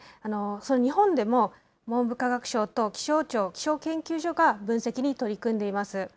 その日本でも、文部科学省と気象庁、気象研究所が分析に取り組んでいます。